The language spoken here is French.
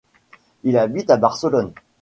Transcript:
Il habite à Barcelone.